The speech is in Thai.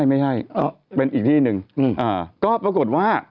ไม่ใช่เป็นอีกที่หนึ่งก็ปรากฏว่า